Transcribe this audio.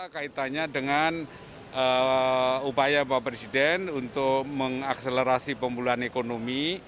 kaitannya dengan upaya bapak presiden untuk mengakselerasi pemulihan ekonomi